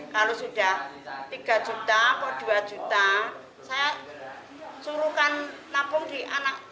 kalau sudah rp tiga atau rp dua saya suruhkan nabung di anak